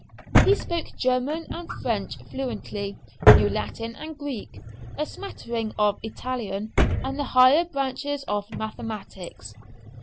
He spoke German and French fluently, knew Latin and Greek, a smattering of Italian, and the higher branches of mathematics.